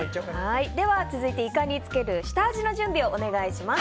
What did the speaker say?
続いてイカにつける下味の準備をお願いします。